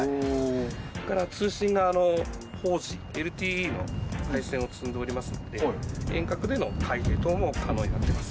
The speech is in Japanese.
それから通信が４ＧＬＴＥの回線を積んでおりますので、遠隔での開閉等も可能になっています。